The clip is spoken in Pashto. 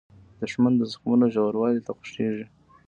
دښمن د زخمونو ژوروالۍ ته خوښیږي